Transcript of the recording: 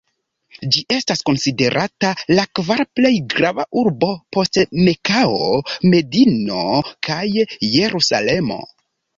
Ĝi estas konsiderata la kvara plej grava urbo post Mekao, Medino kaj "Jerusalemo".